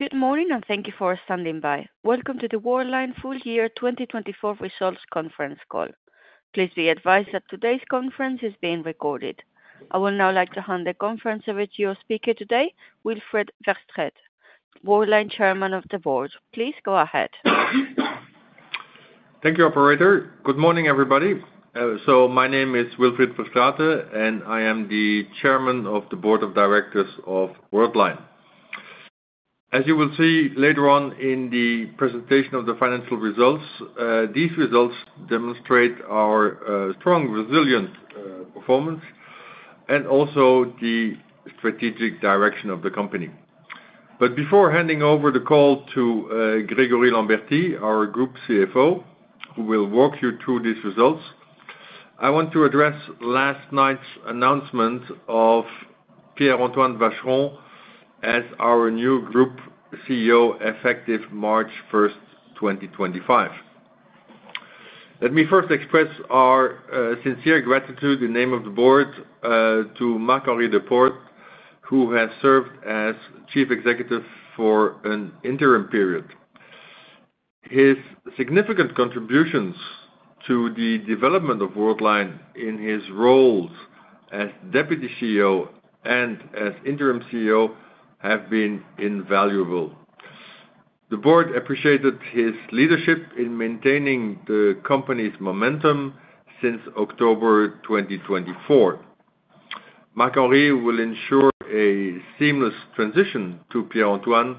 Good morning, and thank you for standing by. Welcome to the Worldline Full Year 2024 Results Conference call. Please be advised that today's conference is being recorded. I would now like to hand the conference over to your speaker today, Wilfried Verstraete, Worldline Chairman of the Board. Please go ahead. Thank you, Operator. Good morning, everybody, so my name is Wilfried Verstraete, and I am the Chairman of the Board of Directors of Worldline. As you will see later on in the presentation of the financial results, these results demonstrate our strong, resilient performance and also the strategic direction of the company, but before handing over the call to Gregory Lambertie, our Group CFO, who will walk you through these results, I want to address last night's announcement of Pierre-Antoine Vacheron as our new Group CEO effective March 1st, 2025. Let me first express our sincere gratitude in the name of the Board to Marc-Henri Desportes, who has served as Chief Executive for an interim period. His significant contributions to the development of Worldline in his roles as Deputy CEO and as Interim CEO have been invaluable. The Board appreciated his leadership in maintaining the company's momentum since October 2024. Marc-Henri will ensure a seamless transition to Pierre-Antoine,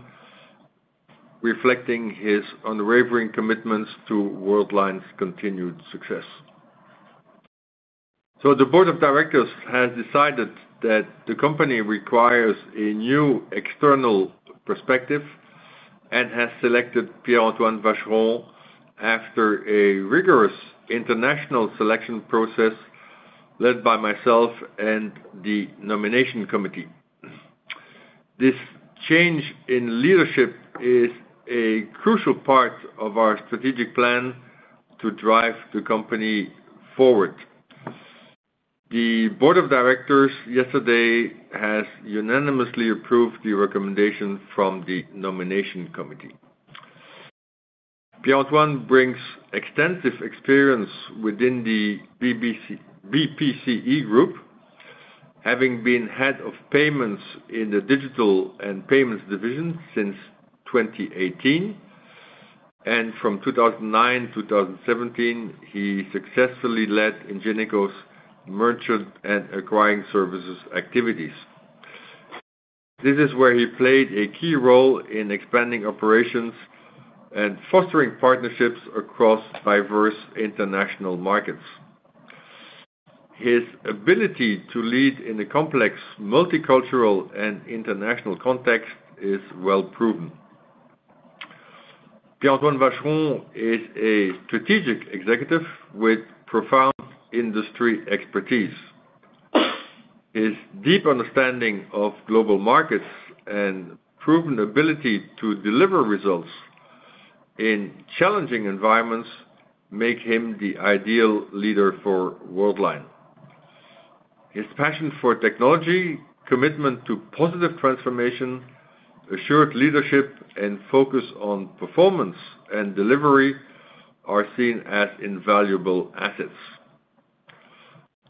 reflecting his unwavering commitments to Worldline's continued success. So the Board of Directors has decided that the company requires a new external perspective and has selected Pierre-Antoine Vacheron after a rigorous international selection process led by myself and the nomination committee. This change in leadership is a crucial part of our strategic plan to drive the company forward. The Board of Directors yesterday has unanimously approved the recommendation from the nomination committee. Pierre-Antoine brings extensive experience within the BPCE Group, having been Head of Payments in the Digital and Payments Division since 2018, and from 2009 to 2017, he successfully led Ingenico's merchant and acquiring services activities. This is where he played a key role in expanding operations and fostering partnerships across diverse international markets. His ability to lead in a complex multicultural and international context is well proven. Pierre-Antoine Vacheron is a strategic executive with profound industry expertise. His deep understanding of global markets and proven ability to deliver results in challenging environments make him the ideal leader for Worldline. His passion for technology, commitment to positive transformation, assured leadership, and focus on performance and delivery are seen as invaluable assets.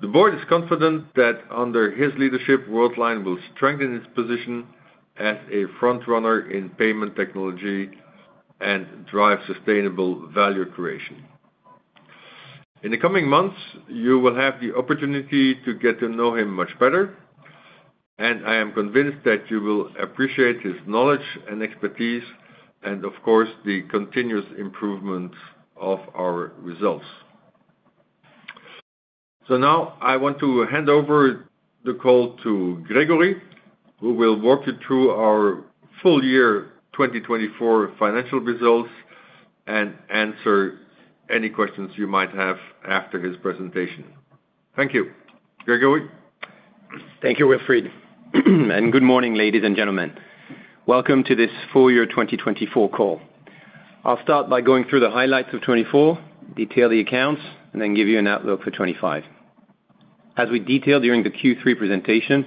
The Board is confident that under his leadership, Worldline will strengthen its position as a front-runner in payment technology and drive sustainable value creation. In the coming months, you will have the opportunity to get to know him much better, and I am convinced that you will appreciate his knowledge and expertise, and of course, the continuous improvement of our results. So now I want to hand over the call to Gregory, who will walk you through our full year 2024 financial results and answer any questions you might have after his presentation. Thank you, Gregory. Thank you, Wilfried. And good morning, ladies and gentlemen. Welcome to this full year 2024 call. I'll start by going through the highlights of 2024, detail the accounts, and then give you an outlook for 2025. As we detailed during the Q3 presentation,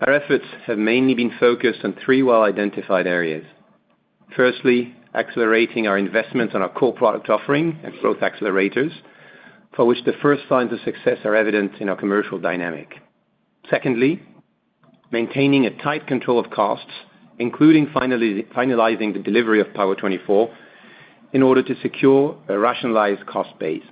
our efforts have mainly been focused on three well-identified areas. Firstly, accelerating our investments on our core product offering and growth accelerators, for which the first signs of success are evident in our commercial dynamic. Secondly, maintaining a tight control of costs, including finalizing the delivery of Power24 in order to secure a rationalized cost base.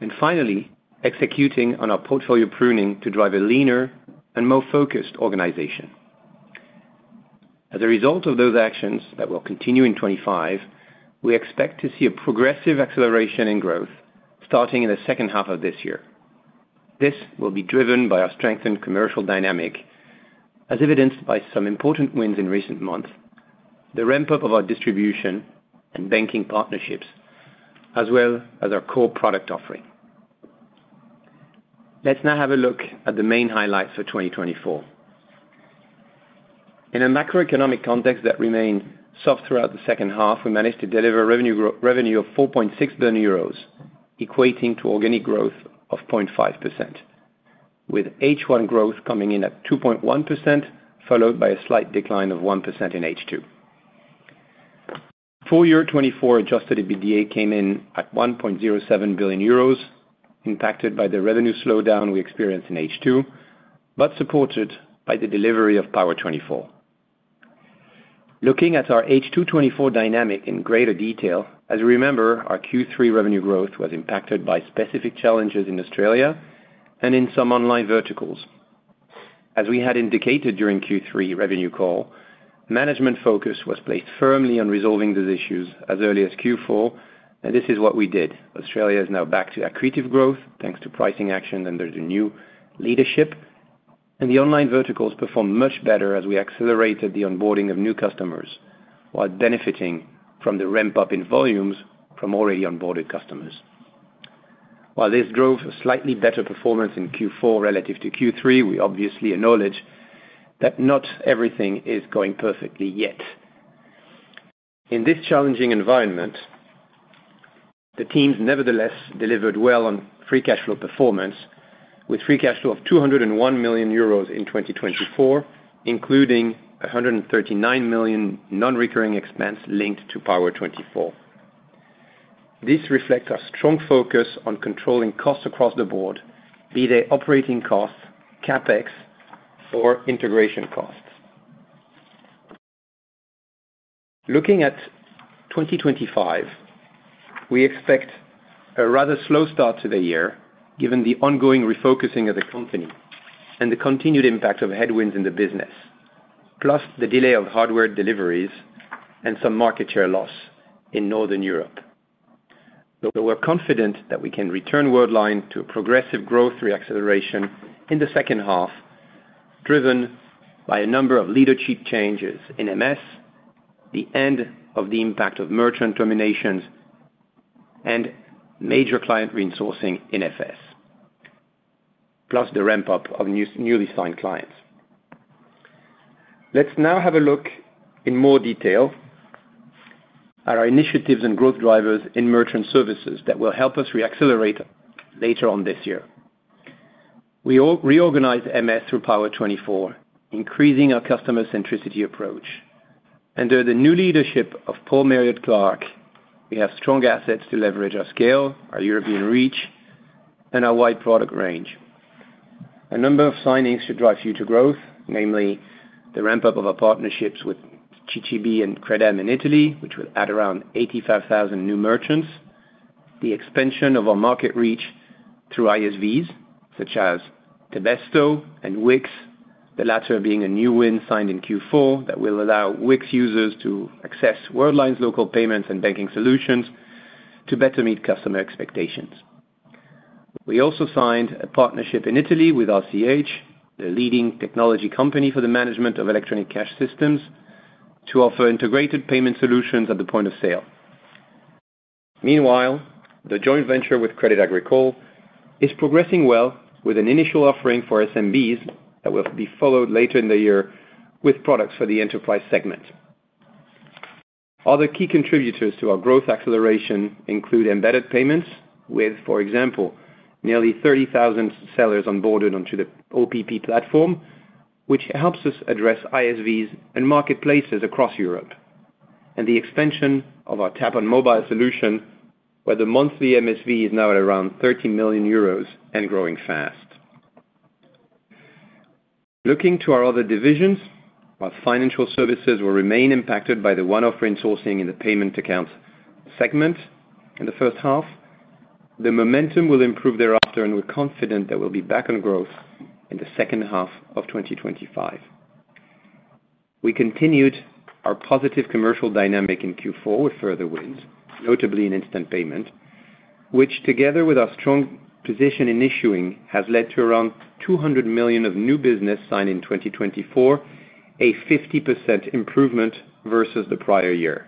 And finally, executing on our portfolio pruning to drive a leaner and more focused organization. As a result of those actions that will continue in 2025, we expect to see a progressive acceleration in growth starting in the second half of this year. This will be driven by our strengthened commercial dynamic, as evidenced by some important wins in recent months, the ramp-up of our distribution and banking partnerships, as well as our core product offering. Let's now have a look at the main highlights for 2024. In a macroeconomic context that remained soft throughout the second half, we managed to deliver a revenue of 4.6 billion euros, equating to organic growth of 0.5%, with H1 growth coming in at 2.1%, followed by a slight decline of 1% in H2. Full year 2024 Adjusted EBITDA came in at 1.07 billion euros, impacted by the revenue slowdown we experienced in H2, but supported by the delivery of Power24. Looking at our H2 2024 dynamic in greater detail, as we remember, our Q3 revenue growth was impacted by specific challenges in Australia and in some online verticals. As we had indicated during Q3 revenue call, management focus was placed firmly on resolving these issues as early as Q4, and this is what we did. Australia is now back to accretive growth thanks to pricing action under the new leadership, and the online verticals performed much better as we accelerated the onboarding of new customers while benefiting from the ramp-up in volumes from already onboarded customers. While this drove a slightly better performance in Q4 relative to Q3, we obviously acknowledge that not everything is going perfectly yet. In this challenging environment, the teams nevertheless delivered well on free cash flow performance, with free cash flow of 201 million euros in 2024, including 139 million non-recurring expense linked to Power24. This reflects our strong focus on controlling costs across the board, be they operating costs, CapEx, or integration costs. Looking at 2025, we expect a rather slow start to the year given the ongoing refocusing of the company and the continued impact of headwinds in the business, plus the delay of hardware deliveries and some market share loss in Northern Europe. We're confident that we can return Worldline to a progressive growth reacceleration in the second half, driven by a number of leadership changes in MS, the end of the impact of merchant terminations, and major client reinforcing in FS, plus the ramp-up of newly signed clients. Let's now have a look in more detail at our initiatives and growth drivers in merchant services that will help us reaccelerate later on this year. We reorganized MS through Power24, increasing our customer-centricity approach. Under the new leadership of Paul Marriott-Clarke, we have strong assets to leverage our scale, our European reach, and our wide product range. A number of signings should drive future growth, namely the ramp-up of our partnerships with CCB and Credem in Italy, which will add around 85,000 new merchants, the expansion of our market reach through ISVs such as Tabesto and Wix, the latter being a new win signed in Q4 that will allow Wix users to access Worldline's local payments and banking solutions to better meet customer expectations. We also signed a partnership in Italy with RCH, the leading technology company for the management of electronic cash systems, to offer integrated payment solutions at the point of sale. Meanwhile, the joint venture with Crédit Agricole is progressing well with an initial offering for SMBs that will be followed later in the year with products for the enterprise segment. Other key contributors to our growth acceleration include embedded payments, with, for example, nearly 30,000 sellers onboarded onto the OPP platform, which helps us address ISVs and marketplaces across Europe, and the expansion of our Tap on Mobile solution, where the monthly MSV is now at around 30 million euros and growing fast. Looking to our other divisions, while financial services will remain impacted by the one-off reinforcing in the payment accounts segment in the first half, the momentum will improve thereafter, and we're confident there will be back-on growth in the second half of 2025. We continued our positive commercial dynamic in Q4 with further wins, notably in instant payment, which, together with our strong position in issuing, has led to around 200 million of new business signed in 2024, a 50% improvement versus the prior year.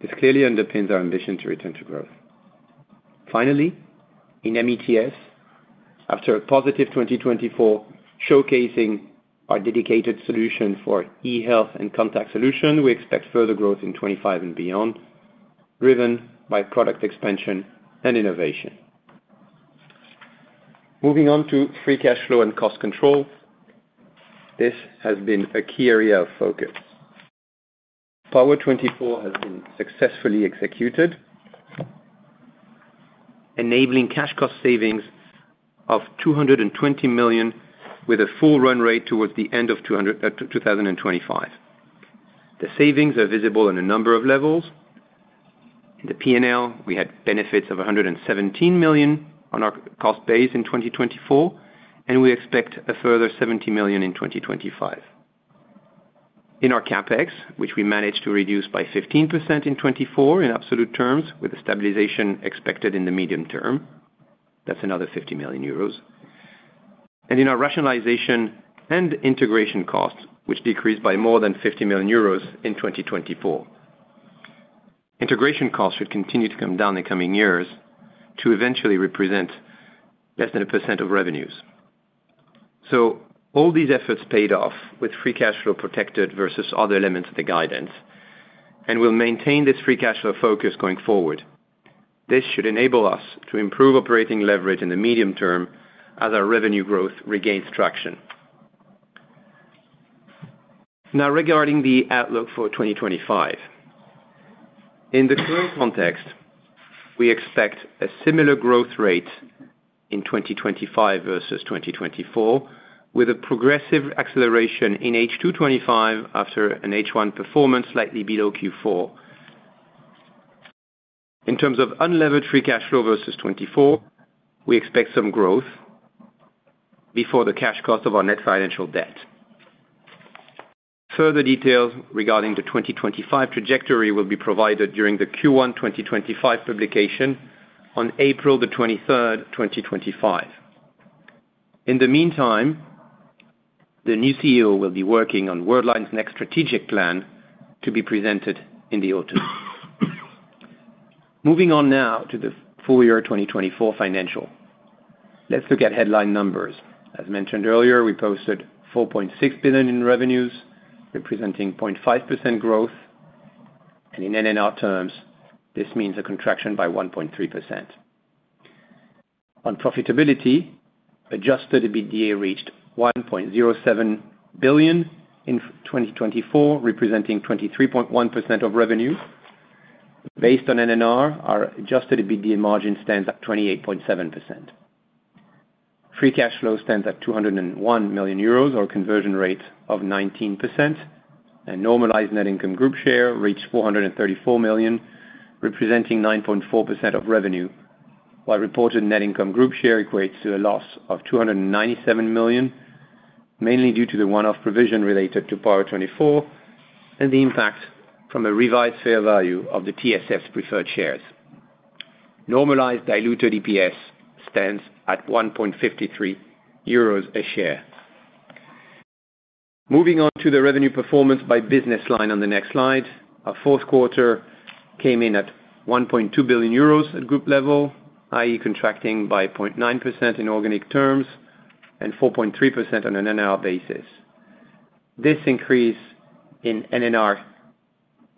This clearly underpins our ambition to return to growth. Finally, in METS, after a positive 2024 showcasing our dedicated solution for e-health and contactless solution, we expect further growth in 2025 and beyond, driven by product expansion and innovation. Moving on to free cash flow and cost control, this has been a key area of focus. Power 24 has been successfully executed, enabling cash cost savings of 220 million with a full run rate towards the end of 2025. The savings are visible on a number of levels. In the P&L, we had benefits of 117 million on our cost base in 2024, and we expect a further 70 million in 2025. In our CapEx, which we managed to reduce by 15% in 2024 in absolute terms, with a stabilization expected in the medium term, that's another 50 million euros, and in our rationalization and integration costs, which decreased by more than 50 million euros in 2024. Integration costs should continue to come down in coming years to eventually represent less than 1% of revenues. So all these efforts paid off with free cash flow protected versus other elements of the guidance and will maintain this free cash flow focus going forward. This should enable us to improve operating leverage in the medium term as our revenue growth regains traction. Now, regarding the outlook for 2025, in the current context, we expect a similar growth rate in 2025 versus 2024, with a progressive acceleration in H2/25 after an H1 performance slightly below Q4. In terms of unlevered free cash flow versus 2024, we expect some growth before the cash cost of our net financial debt. Further details regarding the 2025 trajectory will be provided during the Q1/2025 publication on April 23rd, 2025. In the meantime, the new CEO will be working on Worldline's next strategic plan to be presented in the autumn. Moving on now to the full year 2024 financial, let's look at headline numbers. As mentioned earlier, we posted 4.6 billion in revenues, representing 0.5% growth. And in NNR terms, this means a contraction by 1.3%. On profitability, adjusted EBITDA reached 1.07 billion in 2024, representing 23.1% of revenue. Based on NNR, our adjusted EBITDA margin stands at 28.7%. Free cash flow stands at 201 million euros or a conversion rate of 19%. And normalized net income group share reached 434 million, representing 9.4% of revenue, while reported net income group share equates to a loss of 297 million, mainly due to the one-off provision related to Power 24 and the impact from a revised fair value of the TSS's preferred shares. Normalized diluted EPS stands at 1.53 euros a share. Moving on to the revenue performance by business line on the next slide, our fourth quarter came in at 1.2 billion euros at group level, i.e., contracting by 0.9% in organic terms and 4.3% on an NNR basis. This increase in organic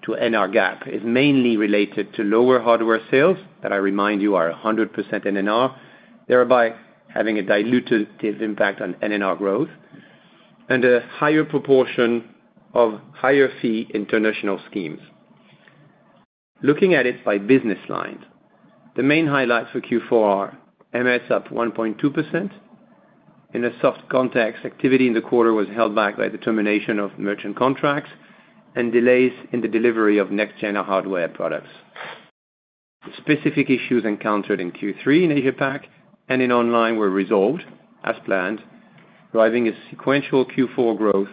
to NNR gap is mainly related to lower hardware sales that, I remind you, are 100% NNR, thereby having a diluted impact on NNR growth and a higher proportion of higher fee international schemes. Looking at it by business line, the main highlights for Q4 are MS up 1.2%. In a soft context, activity in the quarter was held back by the termination of merchant contracts and delays in the delivery of next-gen hardware products. Specific issues encountered in Q3 in Asia-Pac and in online were resolved as planned, driving a sequential Q4 growth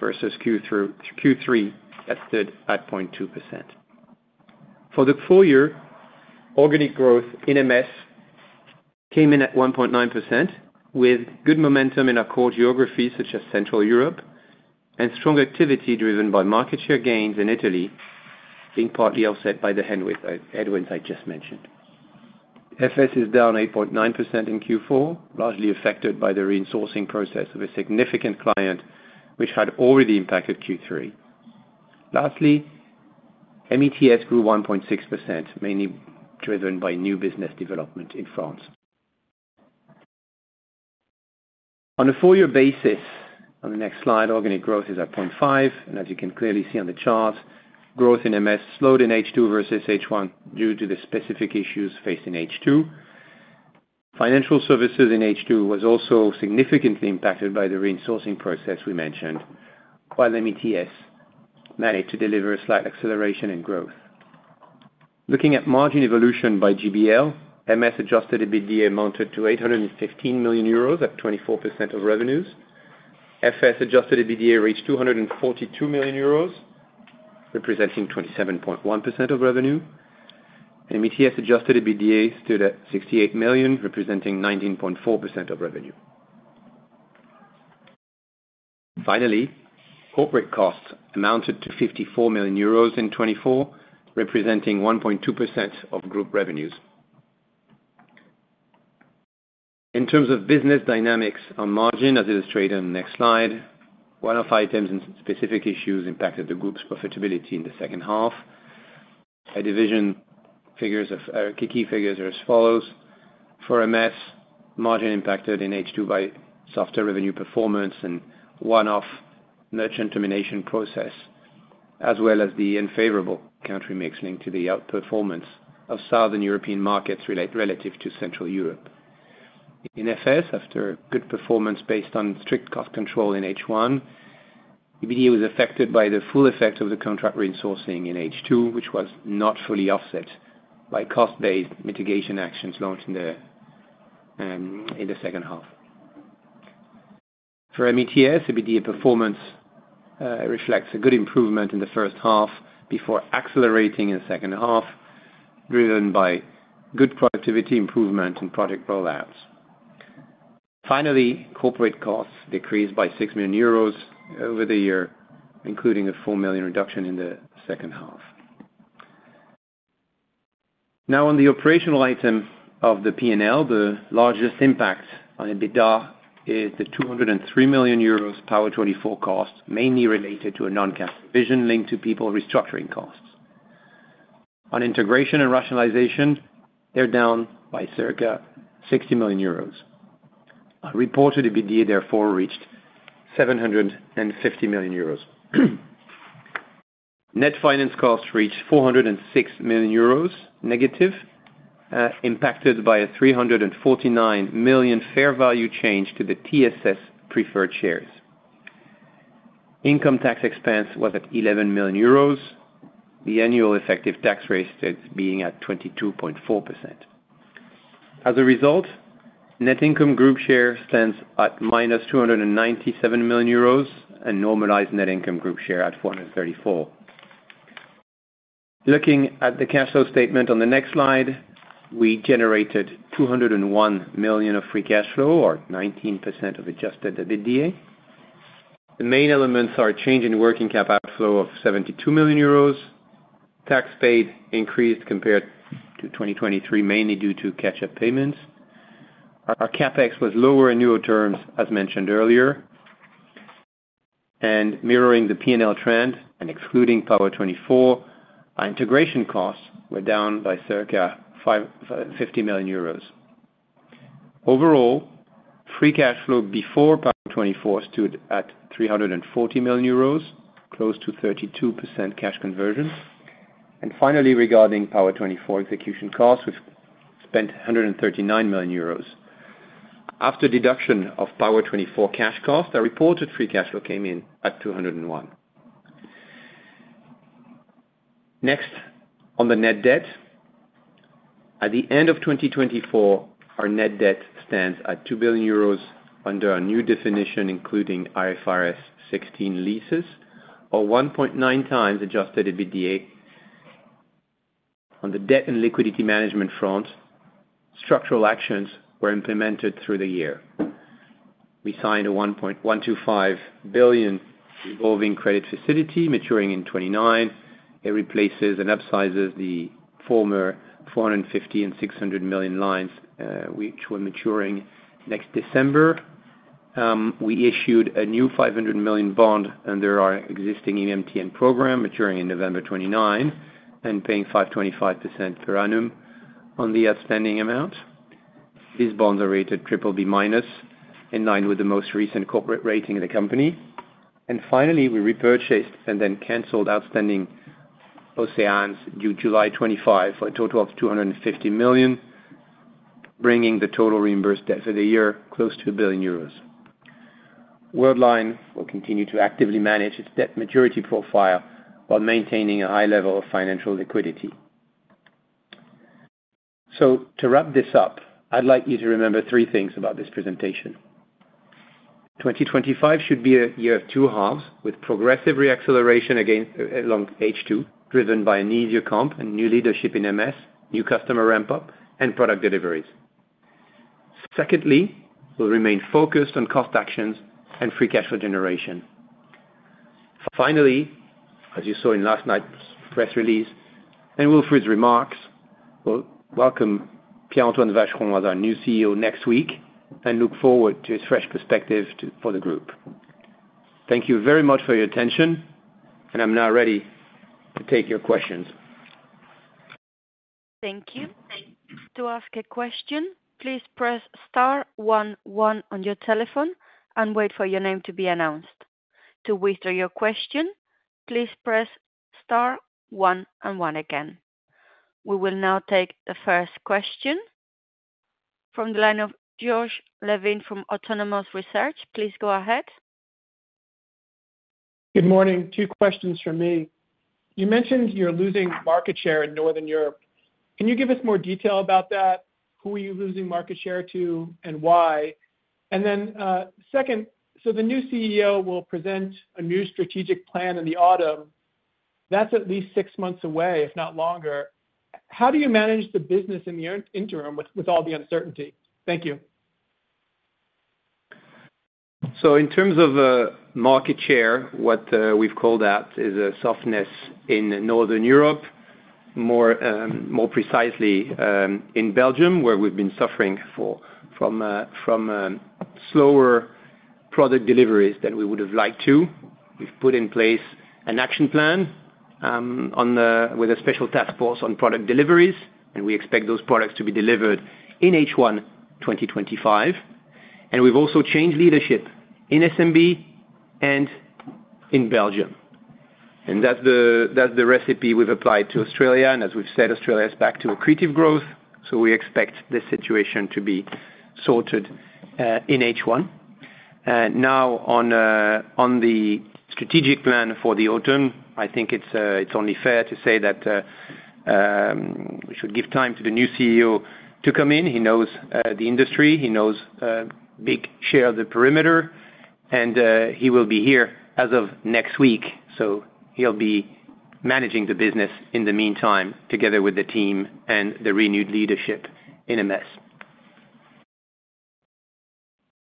versus Q3 tested at 0.2%. For the full year, organic growth in MS came in at 1.9%, with good momentum in our core geographies such as Central Europe and strong activity driven by market share gains in Italy, being partly offset by the headwinds I just mentioned. FS is down 8.9% in Q4, largely affected by the refinancing process of a significant client, which had already impacted Q3. Lastly, METS grew 1.6%, mainly driven by new business development in France. On a full-year basis, on the next slide, organic growth is at 0.5%. And as you can clearly see on the chart, growth in MS slowed in H2 versus H1 due to the specific issues faced in H2. Financial Services in H2 was also significantly impacted by the refinancing process we mentioned, while METS managed to deliver a slight acceleration in growth. Looking at margin evolution by GBL, MS adjusted EBITDA mounted to 815 million euros at 24% of revenues. FS adjusted EBITDA reached 242 million euros, representing 27.1% of revenue. METS adjusted EBITDA stood at 68 million, representing 19.4% of revenue. Finally, corporate costs amounted to 54 million euros in 2024, representing 1.2% of group revenues. In terms of business dynamics, our margin, as illustrated on the next slide, one-off items and specific issues impacted the group's profitability in the second half. Key figures are as follows. For MS, margin impacted in H2 by softer revenue performance and one-off merchant termination process, as well as the unfavorable country mix linked to the outperformance of Southern European markets relative to Central Europe. In FS, after good performance based on strict cost control in H1, EBITDA was affected by the full effect of the contract reinforcing in H2, which was not fully offset by cost-based mitigation actions launched in the second half. For METS, EBITDA performance reflects a good improvement in the first half before accelerating in the second half, driven by good productivity improvement and project rollouts. Finally, corporate costs decreased by 6 million euros over the year, including a 4 million reduction in the second half. Now, on the operational item of the P&L, the largest impact on EBITDA is the 203 million euros Power 24 cost, mainly related to a non-cash provision linked to people restructuring costs. On integration and rationalization, they're down by circa 60 million euros. On reported EBITDA, therefore, reached 750 million euros. Net finance costs reached 406 million euros negative, impacted by a 349 million fair value change to the TSS's preferred shares. Income tax expense was at 11 million euros. The annual effective tax rate stood being at 22.4%. As a result, net income group share stands at minus 297 million euros and normalized net income group share at 434. Looking at the cash flow statement on the next slide, we generated 201 million of free cash flow, or 19% of adjusted EBITDA. The main elements are a change in working cap outflow of 72 million euros. Tax paid increased compared to 2023, mainly due to catch-up payments. Our CapEx was lower in year-on-year terms, as mentioned earlier. Mirroring the P&L trend and excluding Power 24, our integration costs were down by circa 50 million euros. Overall, free cash flow before Power 24 stood at 340 million euros, close to 32% cash conversion. Finally, regarding Power 24 execution costs, we spent 139 million euros. After deduction of Power 24 cash cost, our reported free cash flow came in at 201. Next, on the net debt, at the end of 2024, our net debt stands at 2 billion euros under a new definition, including IFRS 16 leases, or 1.9 times adjusted EBITDA. On the debt and liquidity management front, structural actions were implemented through the year. We signed a 125 billion revolving credit facility maturing in 2029. It replaces and upsizes the former 450 million and 600 million lines, which were maturing next December. We issued a new 500 million bond under our existing EMTN program, maturing in November 2029 and paying 5.25% per annum on the outstanding amount. These bonds are rated BBB-, in line with the most recent corporate rating of the company. Finally, we repurchased and then canceled outstanding OCEANE due July 2025 for a total of 250 million, bringing the total reimbursed debt for the year close to 1 billion euros. Worldline will continue to actively manage its debt maturity profile while maintaining a high level of financial liquidity. To wrap this up, I'd like you to remember three things about this presentation. 2025 should be a year of two halves, with progressive reacceleration along H2, driven by an easier comp and new leadership in MS, new customer ramp-up, and product deliveries. Secondly, we'll remain focused on cost actions and free cash flow generation. Finally, as you saw in last night's press release and Wilfried's remarks, we'll welcome Pierre-Antoine Vacheron as our new CEO next week and look forward to his fresh perspective for the group. Thank you very much for your attention, and I'm now ready to take your questions. Thank you. To ask a question, please press star one, one on your telephone and wait for your name to be announced. To withdraw your question, please press star one and one again. We will now take the first question from the line of Josh Levin from Autonomous Research. Please go ahead. Good morning. Two questions from me. You mentioned you're losing market share in Northern Europe. Can you give us more detail about that? Who are you losing market share to and why? And then second, so the new CEO will present a new strategic plan in the autumn. That's at least six months away, if not longer. How do you manage the business in the interim with all the uncertainty? Thank you. So in terms of market share, what we've called out is a softness in Northern Europe, more precisely in Belgium, where we've been suffering from slower product deliveries than we would have liked to. We've put in place an action plan with a special task force on product deliveries, and we expect those products to be delivered in H1 2025. And we've also changed leadership in SMB and in Belgium. And that's the recipe we've applied to Australia. And as we've said, Australia is back to accretive growth, so we expect this situation to be sorted in H1. Now, on the strategic plan for the autumn, I think it's only fair to say that we should give time to the new CEO to come in. He knows the industry. He knows a big share of the perimeter, and he will be here as of next week. So he'll be managing the business in the meantime together with the team and the renewed leadership in MS.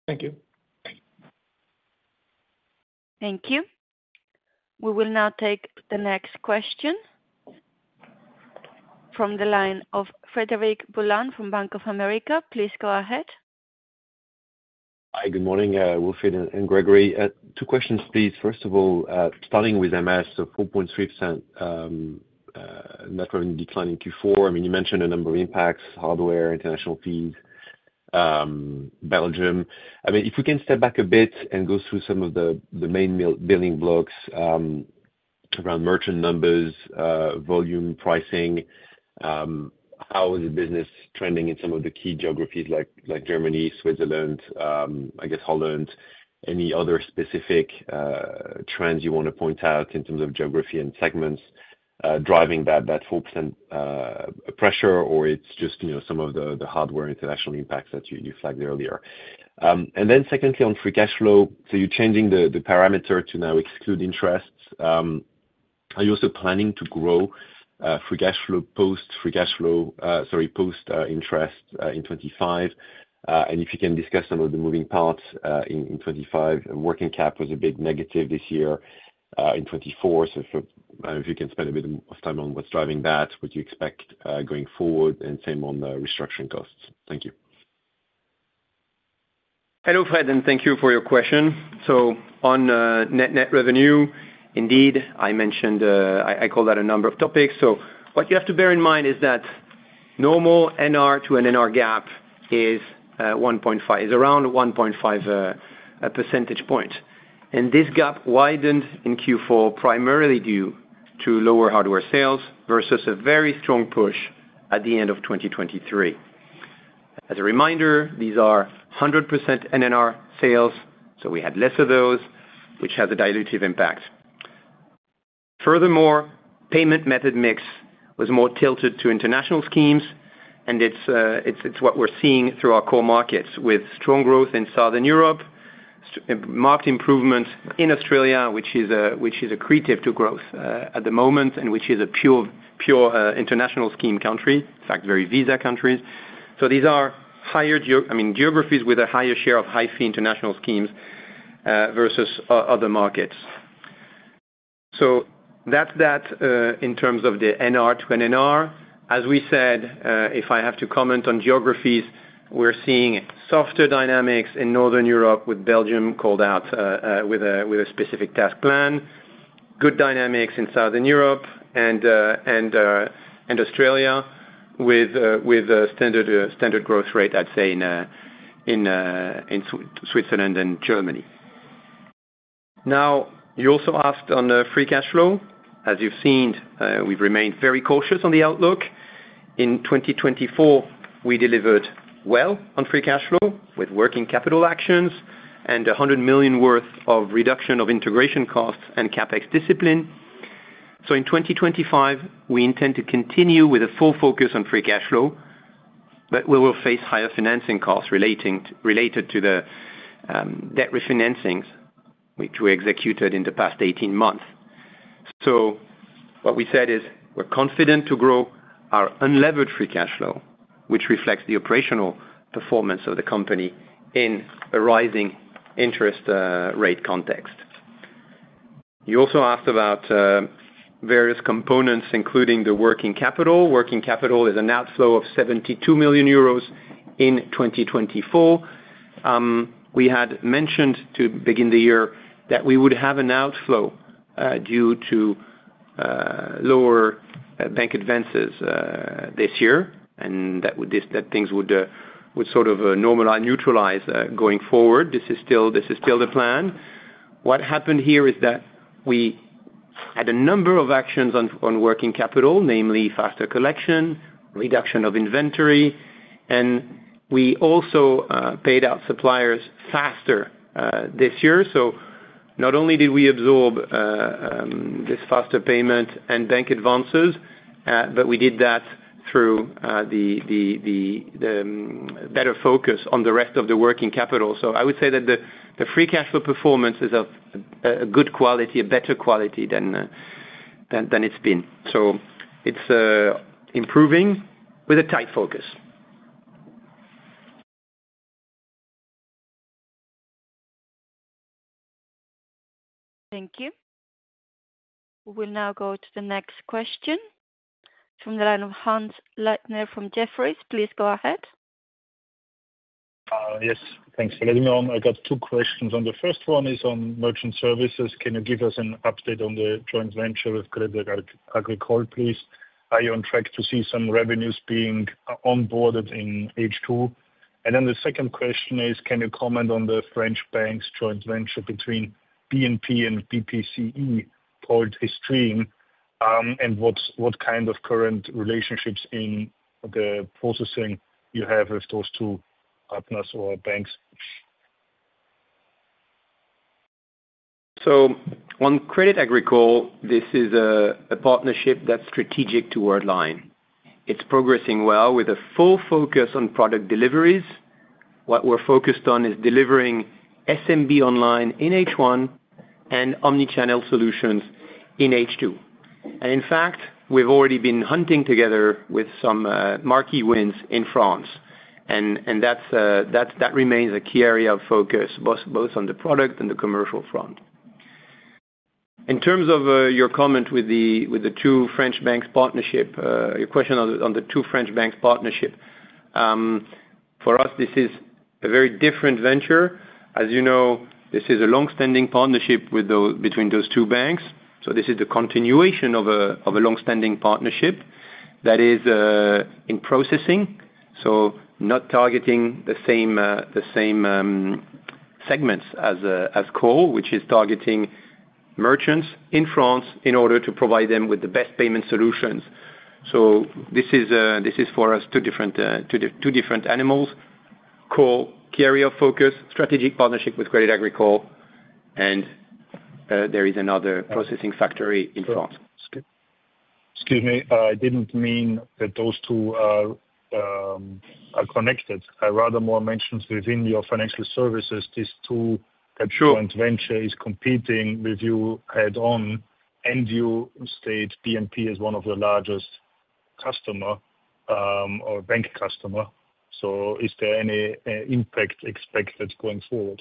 Thank you. Thank you. We will now take the next question from the line of Frederic Boulan from Bank of America. Please go ahead. Hi, good morning. Wilfried and Gregory. Two questions, please. First of all, starting with MS, 4.3% net revenue declining Q4. I mean, you mentioned a number of impacts: hardware, international fees, Belgium. I mean, if we can step back a bit and go through some of the main building blocks around merchant numbers, volume, pricing, how is the business trending in some of the key geographies like Germany, Switzerland, I guess Holland? Any other specific trends you want to point out in terms of geography and segments driving that 4% pressure, or it's just some of the hardware international impacts that you flagged earlier? And then secondly, on free cash flow, so you're changing the parameter to now exclude interests. Are you also planning to grow free cash flow post free cash flow, sorry, post interest in 2025? And if you can discuss some of the moving parts in 2025. Working cap was a big negative this year in 2024. So if you can spend a bit of time on what's driving that, what do you expect going forward? And same on restructuring costs. Thank you. Hello, Fred, and thank you for your question. So on net revenue, indeed, I called out a number of topics. So what you have to bear in mind is that normal NR to NR gap is around 1.5 percentage points. And this gap widened in Q4 primarily due to lower hardware sales versus a very strong push at the end of 2023. As a reminder, these are 100% NNR sales, so we had less of those, which has a dilutive impact. Furthermore, payment method mix was more tilted to international schemes, and it's what we're seeing through our core markets with strong growth in Southern Europe, marked improvement in Australia, which is accretive to growth at the moment and which is a pure international scheme country, in fact, very Visa countries. So these are higher geographies with a higher share of high-fee international schemes versus other markets. So that's that in terms of the NR to NNR. As we said, if I have to comment on geographies, we're seeing softer dynamics in Northern Europe with Belgium called out with a specific task plan, good dynamics in Southern Europe and Australia with a standard growth rate, I'd say, in Switzerland and Germany. Now, you also asked on free cash flow. As you've seen, we've remained very cautious on the outlook. In 2024, we delivered well on free cash flow with working capital actions and 100 million worth of reduction of integration costs and CapEx discipline. So in 2025, we intend to continue with a full focus on free cash flow, but we will face higher financing costs related to the debt refinancing which we executed in the past 18 months. So what we said is we're confident to grow our unlevered free cash flow, which reflects the operational performance of the company in a rising interest rate context. You also asked about various components, including the working capital. Working capital is an outflow of 72 million euros in 2024. We had mentioned to begin the year that we would have an outflow due to lower bank advances this year and that things would sort of normalize, neutralize going forward. This is still the plan. What happened here is that we had a number of actions on working capital, namely faster collection, reduction of inventory, and we also paid out suppliers faster this year. So not only did we absorb this faster payment and bank advances, but we did that through the better focus on the rest of the working capital. So I would say that the free cash flow performance is of a good quality, a better quality than it's been. So it's improving with a tight focus. Thank you. We will now go to the next question from the line of Hannes Leitner from Jefferies. Please go ahead. Yes, thanks. I got two questions. The first one is on merchant services. Can you give us an update on the joint venture with Crédit Agricole, please? Are you on track to see some revenues being onboarded in H2? Then the second question is, can you comment on the French banks' joint venture between BNP and BPCE called Stream? And what kind of current relationships in the processing you have with those two partners or banks? So on Crédit Agricole, this is a partnership that's strategic to Worldline. It's progressing well with a full focus on product deliveries. What we're focused on is delivering SMB online in H1 and omnichannel solutions in H2. And in fact, we've already been hunting together with some marquee wins in France. And that remains a key area of focus, both on the product and the commercial front. In terms of your comment with the two French banks' partnership, your question on the two French banks' partnership, for us, this is a very different venture. As you know, this is a long-standing partnership between those two banks. This is the continuation of a long-standing partnership that is in processing, so not targeting the same segments as core, which is targeting merchants in France in order to provide them with the best payment solutions. This is, for us, two different animals: core, carrier focus, strategic partnership with Crédit Agricole, and there is another processing factory in France. Excuse me. I didn't mean that those two are connected. I rather more mentioned within your financial services, these two joint ventures are competing with you head-on, and you state BNP as one of the largest customers or bank customers. Is there any impact expected going forward?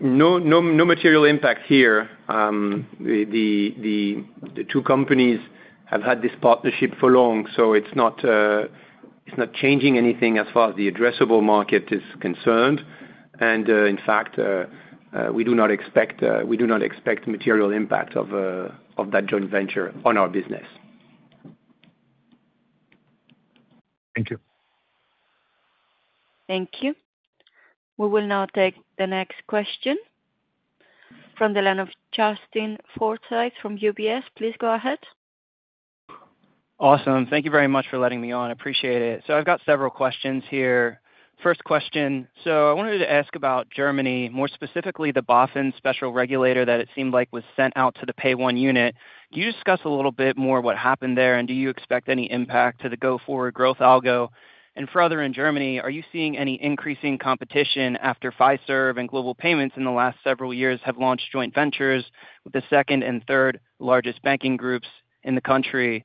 No material impact here. The two companies have had this partnership for long, so it's not changing anything as far as the addressable market is concerned. And in fact, we do not expect material impact of that joint venture on our business. Thank you. Thank you. We will now take the next question from the line of Justin Forsythe from UBS. Please go ahead. Awesome. Thank you very much for letting me on. I appreciate it, so I've got several questions here. First question, so I wanted to ask about Germany, more specifically the BaFin special regulator that it seemed like was sent out to the PAYONE unit. Can you discuss a little bit more what happened there, and do you expect any impact to the go-forward growth algo? And further in Germany, are you seeing any increasing competition after Fiserv and Global Payments in the last several years have launched joint ventures with the second and third largest banking groups in the country?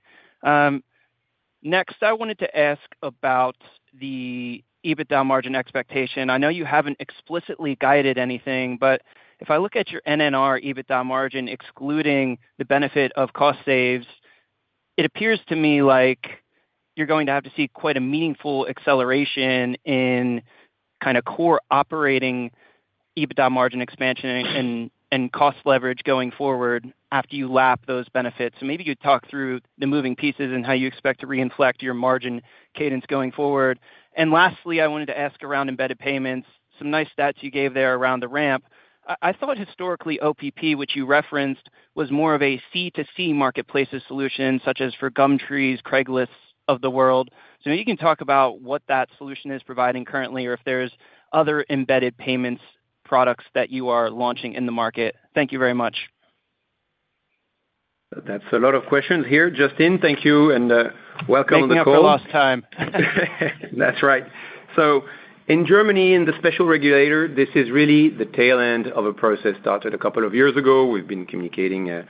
Next, I wanted to ask about the EBITDA margin expectation. I know you haven't explicitly guided anything, but if I look at your NNR EBITDA margin, excluding the benefit of cost saves, it appears to me like you're going to have to see quite a meaningful acceleration in kind of core operating EBITDA margin expansion and cost leverage going forward after you lap those benefits. So maybe you'd talk through the moving pieces and how you expect to reinflect your margin cadence going forward. And lastly, I wanted to ask around embedded payments, some nice stats you gave there around the ramp. I thought historically OPP, which you referenced, was more of a C-to-C marketplace solution, such as for Gumtree's, Craigslist of the world. So maybe you can talk about what that solution is providing currently or if there's other embedded payments products that you are launching in the market. Thank you very much. That's a lot of questions here. Justin, thank you and welcome to the call. We've been here for the last time. That's right. So in Germany, in the special regulator, this is really the tail end of a process started a couple of years ago. We've been communicating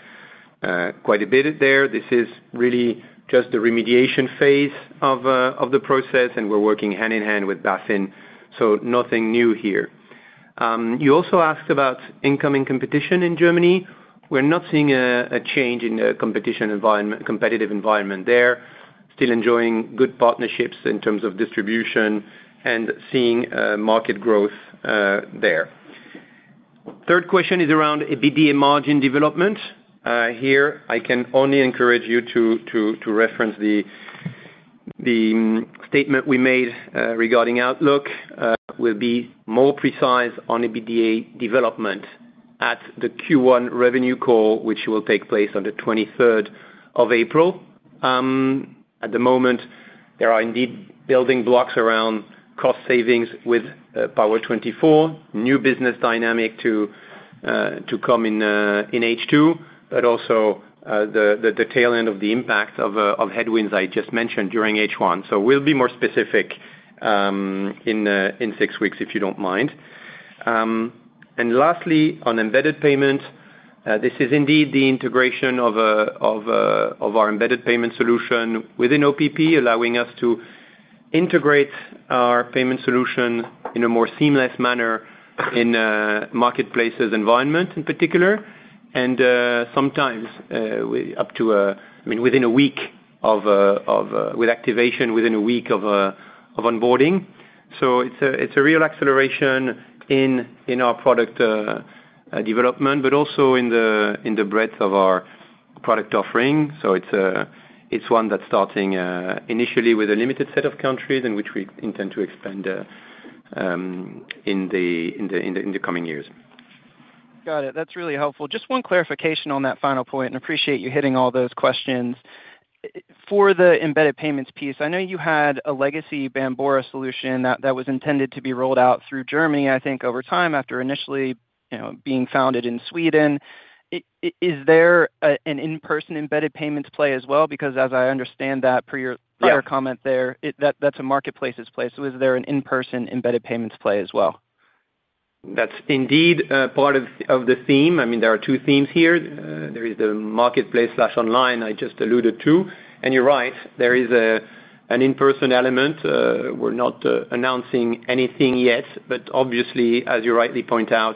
quite a bit there. This is really just the remediation phase of the process, and we're working hand in hand with BaFin, so nothing new here. You also asked about incoming competition in Germany. We're not seeing a change in the competitive environment there, still enjoying good partnerships in terms of distribution and seeing market growth there. Third question is around EBITDA margin development. Here, I can only encourage you to reference the statement we made regarding Outlook. We'll be more precise on EBITDA development at the Q1 revenue call, which will take place on the 23rd of April. At the moment, there are indeed building blocks around cost savings with Power 24, new business dynamic to come in H2, but also the tail end of the impact of headwinds I just mentioned during H1. We'll be more specific in six weeks if you don't mind. Lastly, on embedded payments, this is indeed the integration of our embedded payment solution within OPP, allowing us to integrate our payment solution in a more seamless manner in marketplaces environment in particular, and sometimes up to, I mean, within a week of activation, within a week of onboarding. It's a real acceleration in our product development, but also in the breadth of our product offering. It's one that's starting initially with a limited set of countries in which we intend to expand in the coming years. Got it. That's really helpful. Just one clarification on that final point, and I appreciate you hitting all those questions. For the embedded payments piece, I know you had a legacy Bambora solution that was intended to be rolled out through Germany, I think, over time after initially being founded in Sweden. Is there an in-person embedded payments play as well? Because as I understand that, per your prior comment there, that's a marketplace's place. So is there an in-person embedded payments play as well? That's indeed part of the theme. I mean, there are two themes here. There is the marketplace/online I just alluded to. And you're right. There is an in-person element. We're not announcing anything yet, but obviously, as you rightly point out,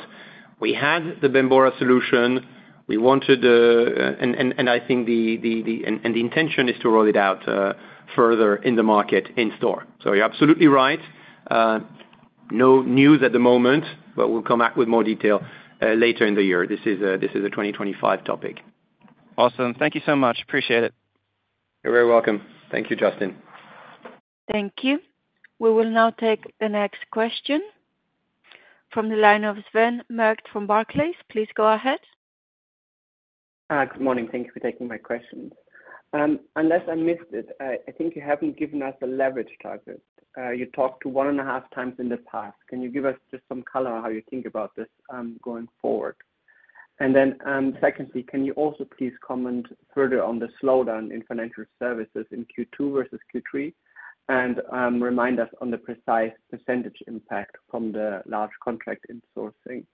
we had the Bambora solution. We wanted to, and I think the intention is to roll it out further in the market in store. So you're absolutely right. No news at the moment, but we'll come back with more detail later in the year. This is a 2025 topic. Awesome. Thank you so much. Appreciate it. You're very welcome. Thank you, Justin. Thank you. We will now take the next question from the line of Sven Merkt from Barclays. Please go ahead. Good morning. Thank you for taking my questions. Unless I missed it, I think you haven't given us a leverage target. You talked to one and a half times in the past. Can you give us just some color on how you think about this going forward? And then secondly, can you also please comment further on the slowdown in financial services in Q2 versus Q3 and remind us on the precise percentage impact from the large contract in sourcing?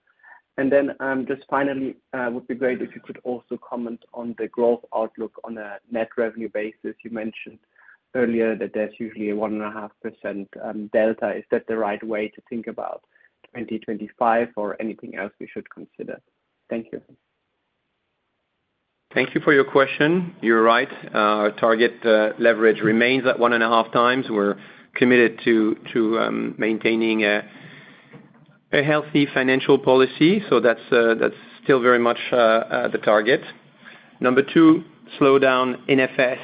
And then just finally, it would be great if you could also comment on the growth outlook on a net revenue basis. You mentioned earlier that there's usually a 1.5% delta. Is that the right way to think about 2025 or anything else we should consider? Thank you. Thank you for your question. You're right. Our target leverage remains at one and a half times. We're committed to maintaining a healthy financial policy. So that's still very much the target. Number two, slowdown in FS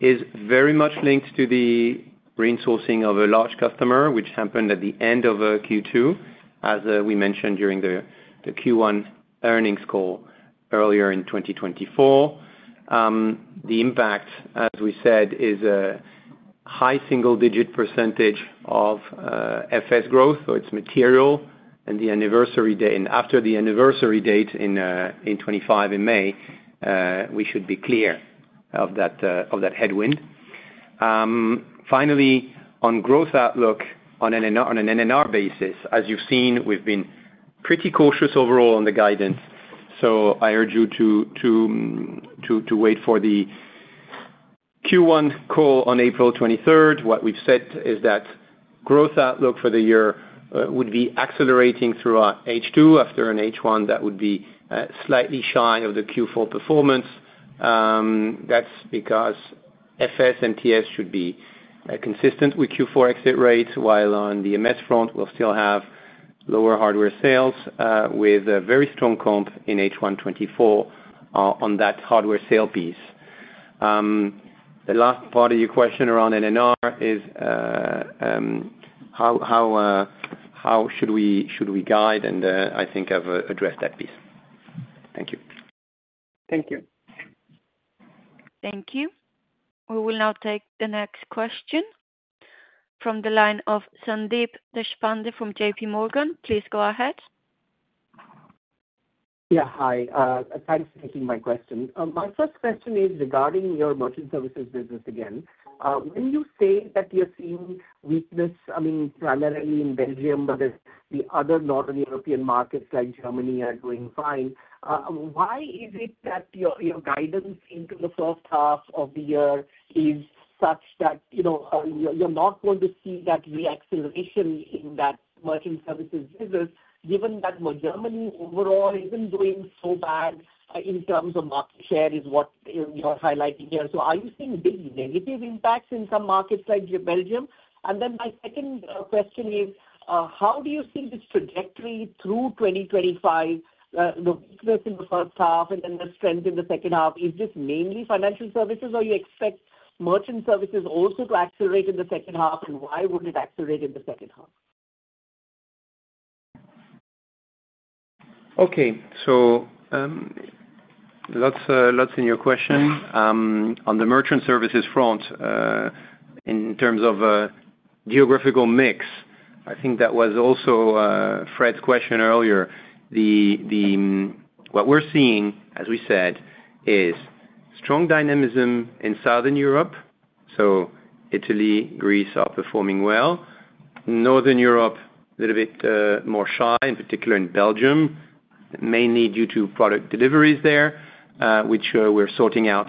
is very much linked to the reinsourcing of a large customer, which happened at the end of Q2, as we mentioned during the Q1 earnings call earlier in 2024. The impact, as we said, is a high single-digit percentage of FS growth, so it's material. And the anniversary date and after the anniversary date in 2025 in May, we should be clear of that headwind. Finally, on growth outlook on an NNR basis, as you've seen, we've been pretty cautious overall on the guidance. So, I urge you to wait for the Q1 call on April 23rd. What we've said is that growth outlook for the year would be accelerating throughout H2 after an H1 that would be slightly shy of the Q4 performance. That's because FS and TS should be consistent with Q4 exit rates, while on the MS front, we'll still have lower hardware sales with a very strong comp in H1 2024 on that hardware sale piece. The last part of your question around NNR is how should we guide, and I think I've addressed that piece. Thank you. Thank you. Thank you. We will now take the next question from the line of Sandeep Deshpande from JPMorgan. Please go ahead. Yeah. Hi. Thanks for taking my question. My first question is regarding your merchant services business again. When you say that you're seeing weakness, I mean, primarily in Belgium, but the other northern European markets like Germany are doing fine, why is it that your guidance into the first half of the year is such that you're not going to see that reacceleration in that merchant services business given that Germany overall isn't doing so bad in terms of market share is what you're highlighting here? So are you seeing big negative impacts in some markets like Belgium? And then my second question is, how do you see this trajectory through 2025, the weakness in the first half and then the strength in the second half? Is this mainly financial services, or do you expect merchant services also to accelerate in the second half, and why would it accelerate in the second half? Okay. So lots in your question. On the merchant services front, in terms of geographical mix, I think that was also Fred's question earlier. What we're seeing, as we said, is strong dynamism in Southern Europe. So Italy, Greece are performing well. Northern Europe, a little bit more shy, in particular in Belgium, mainly due to product deliveries there, which we're sorting out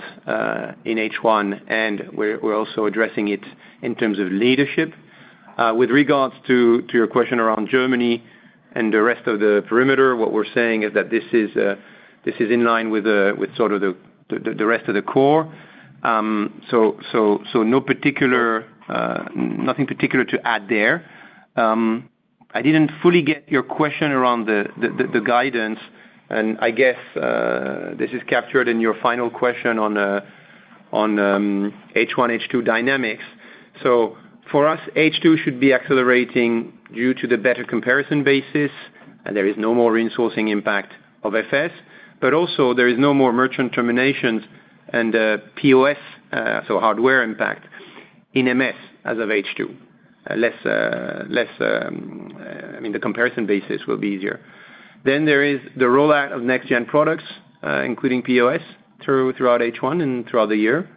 in H1, and we're also addressing it in terms of leadership. With regards to your question around Germany and the rest of the perimeter, what we're saying is that this is in line with sort of the rest of the core. So nothing particular to add there. I didn't fully get your question around the guidance, and I guess this is captured in your final question on H1/H2 dynamics, so for us, H2 should be accelerating due to the better comparison basis, and there is no more resourcing impact of FS, but also there is no more merchant terminations and POS, so hardware impact in MS as of H2. I mean, the comparison basis will be easier, then there is the rollout of next-gen products, including POS, throughout H1 and throughout the year.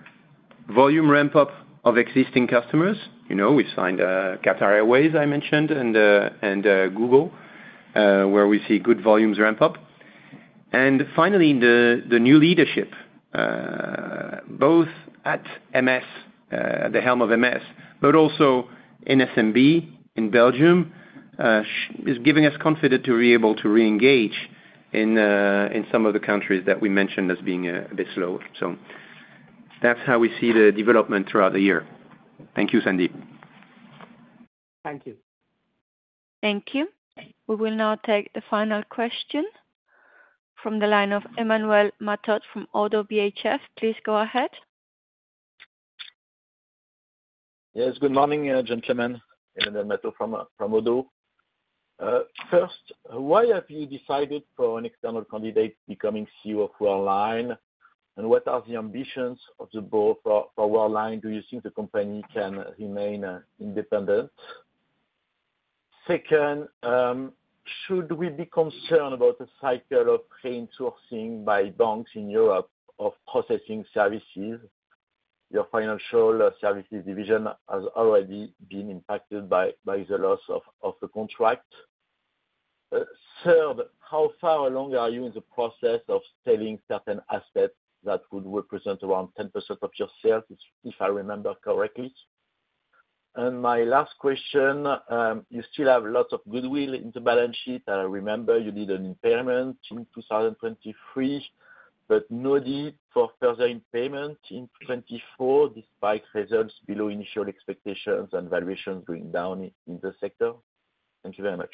Volume ramp-up of existing customers. We've signed Qatar Airways, I mentioned, and Google, where we see good volumes ramp up, and finally, the new leadership, both at MS, at the helm of MS, but also in SMB in Belgium, is giving us confidence to be able to reengage in some of the countries that we mentioned as being a bit slow. So that's how we see the development throughout the year. Thank you, Sandeep. Thank you. Thank you. We will now take the final question from the line of Emmanuel Matot from ODDO BHF. Please go ahead. Yes. Good morning, gentlemen. Emmanuel Matot from ODDO BHF. First, why have you decided for an external candidate becoming CEO of Worldline? And what are the ambitions of the board for Worldline? Do you think the company can remain independent? Second, should we be concerned about the cycle of reinsourcing by banks in Europe of processing services? Your financial services division has already been impacted by the loss of the contract. Third, how far along are you in the process of selling certain assets that would represent around 10% of your sales, if I remember correctly? And my last question, you still have lots of goodwill in the balance sheet. I remember you did an impairment in 2023, but no need for further impairment in 2024 despite results below initial expectations and valuations going down in the sector. Thank you very much.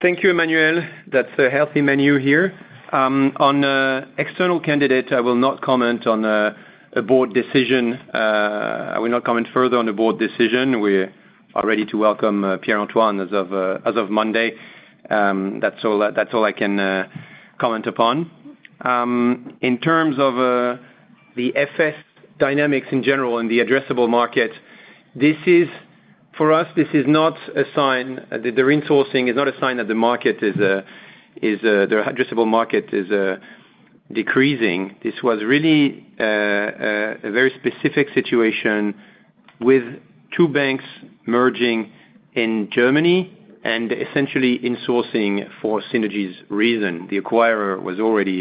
Thank you, Emmanuel. That's a healthy menu here. On external candidates, I will not comment on a board decision. I will not comment further on a board decision. We are ready to welcome Pierre-Antoine as of Monday. That's all I can comment upon. In terms of the FS dynamics in general and the addressable market, for us, this is not a sign that the reinsourcing is a sign that the addressable market is decreasing. This was really a very specific situation with two banks merging in Germany and essentially insourcing for synergies reason. The acquirer was already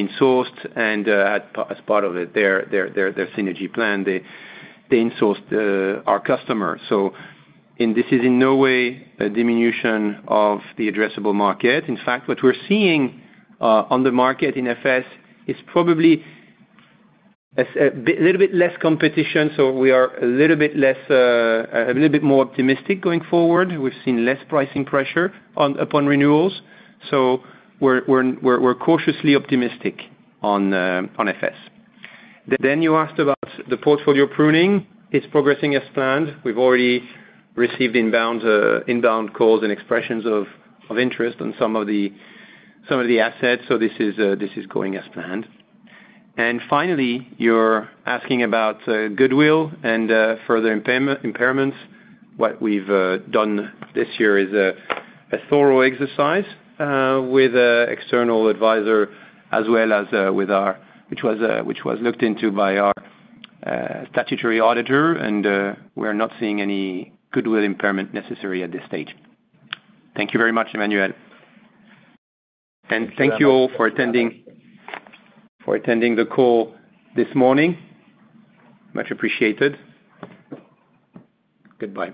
insourced, and as part of their synergy plan, they insourced our customer. So this is in no way a diminution of the addressable market. In fact, what we're seeing on the market in FS is probably a little bit less competition. So we are a little bit less, a little bit more optimistic going forward. We've seen less pricing pressure upon renewals. So we're cautiously optimistic on FS. Then you asked about the portfolio pruning. It's progressing as planned. We've already received inbound calls and expressions of interest on some of the assets. So this is going as planned. And finally, you're asking about goodwill and further impairments. What we've done this year is a thorough exercise with an external advisor as well as with our which was looked into by our statutory auditor, and we're not seeing any goodwill impairment necessary at this stage. Thank you very much, Emmanuel. And thank you all for attending the call this morning. Much appreciated. Goodbye.